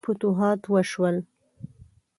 ډیر فتوحات وشول.